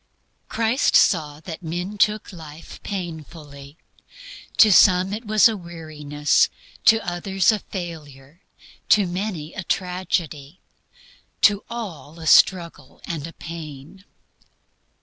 Christ saw that men took life painfully. To some it was a weariness, to others a failure, to many a tragedy, to all a struggle and a pain.